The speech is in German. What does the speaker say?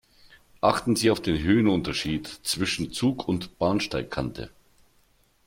Achten Sie auf den Höhenunterschied zwischen Zug und Bahnsteigkante.